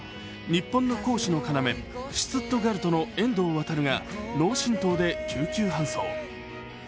日本の攻守の要、シュツットガルトの遠藤航が脳震とうで救急搬送。